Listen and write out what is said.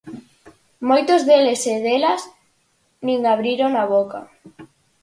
Moitos deles e delas nin abriron a boca.